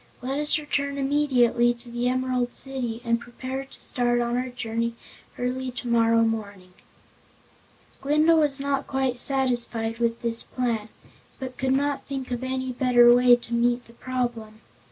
Let us return immediately to the Emerald City and prepare to start on our journey early tomorrow morning." Glinda was not quite satisfied with this plan, but could not think of any better way to meet the problem.